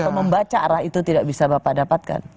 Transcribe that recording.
atau membaca arah itu tidak bisa bapak dapatkan